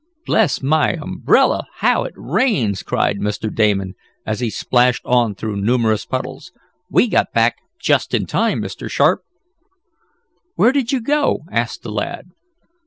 "Bless my umbrella! How it rains!" cried Mr. Damon, as he splashed on through numerous puddles. "We got back just in time, Mr. Sharp." "Where did you go?" asked the lad.